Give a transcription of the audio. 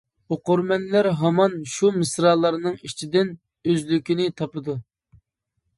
ئوقۇرمەنلەر ھامان شۇ مىسرالارنىڭ ئىچىدىن ئۆزلۈكىنى تاپىدۇ.